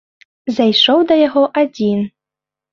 Зайшоў да яго адзін.